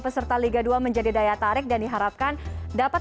selamat malam mas akmal